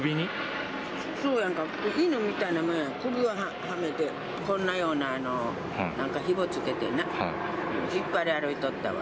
そうやんか、犬みたいなもんやん、首輪はめて、こんなようなひもつけてな、引っ張り歩いとったわ。